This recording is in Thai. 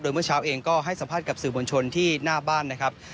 เมื่อเช้าเองก็ให้สัมภาษณ์กับสื่อมวลชนที่หน้าบ้านนะครับ